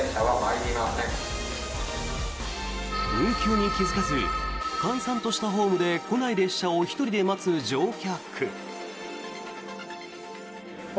運休に気付かず閑散としたホームで来ない列車を１人で待つ乗客。